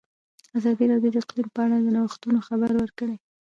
ازادي راډیو د اقلیم په اړه د نوښتونو خبر ورکړی.